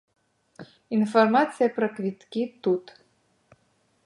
Інфармацыя пра квіткі тут.